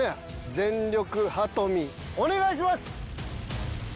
全力羽富お願いします！